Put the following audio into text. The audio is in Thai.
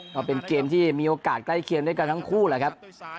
ก็เป็นเกมที่มีโอกาสใกล้เคียงด้วยกันทั้งคู่แหละครับ